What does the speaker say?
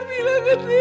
bilang ke aku